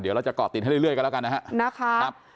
เดี๋ยวเราจะเกาะติดให้เรื่อยกันแล้วกันนะครับ